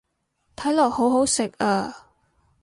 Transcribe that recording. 睇落好好食啊